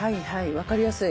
分かりやすい。